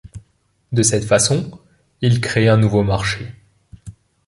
De cette façon, il crée un nouveau marché.